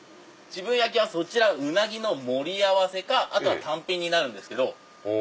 自分焼きはウナギの盛り合わせかあとは単品になるんですけど。